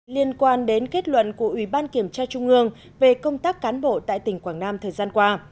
liên quan đến kết luận của ủy ban kiểm tra trung ương về công tác cán bộ tại tỉnh quảng nam thời gian qua